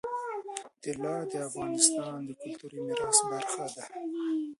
طلا د افغانستان د کلتوري میراث برخه ده.